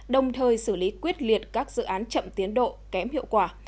đồng thời xử lý quyết liệt các dự án chậm tiến độ kém hiệu quả